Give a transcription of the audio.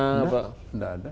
enggak enggak ada